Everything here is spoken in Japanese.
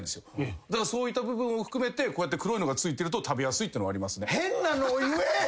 だからそういった部分を含めてこうやって黒いのが付いてると食べやすいってのはありますね。